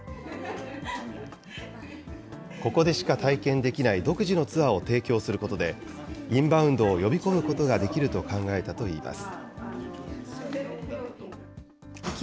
ここでしか体験できない独自のツアーを提供することで、インバウンドを呼び込むことができると考えたといいます。